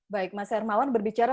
baik mas hermawan berbicara